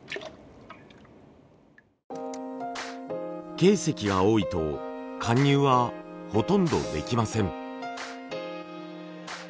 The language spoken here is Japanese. ケイ石が多いと貫入はほとんどできません。